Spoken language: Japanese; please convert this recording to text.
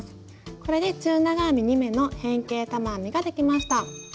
これで中長編み２目の変形玉編みができました。